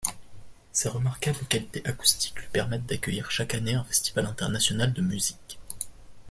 Ses remarquables qualités acoustiques lui permettent d'accueillir chaque année un festival international de musique.